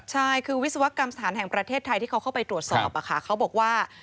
ใช่คือวิศวกรรมสถานแห่งประเทศไทยที่เขาเข้าไปตรวจสอบเขาบอกว่า